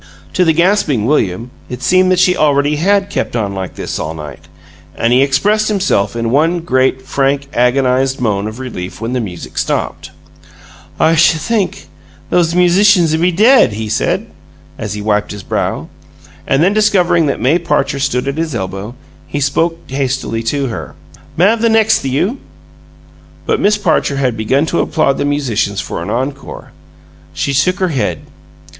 To the gasping William it seemed that she already had kept on like this all night, and he expressed himself in one great, frank, agonized moan of relief when the music stopped. "I sh' think those musicians 'd be dead!" he said, as he wiped his brow. And then discovering that May Parcher stood at his elbow, he spoke hastily to her. "M'av the next 'thyou?" But Miss Parcher had begun to applaud the musicians for an encore. She shook her head.